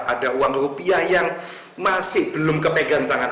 ada uang rupiah yang masih belum kepegantangan